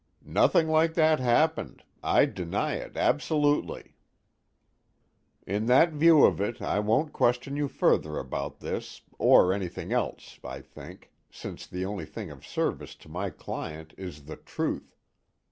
"Nothing like that happened. I deny it absolutely." "In that view of it, I won't question you further about this, or anything else, I think, since the only thing of service to my client is the truth.